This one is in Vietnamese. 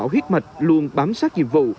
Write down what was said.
đảm bảo huyết mạch luôn bám sát nhiệm vụ